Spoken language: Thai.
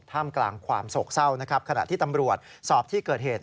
ท่ามกลางความโศกเศร้านะครับขณะที่ตำรวจสอบที่เกิดเหตุ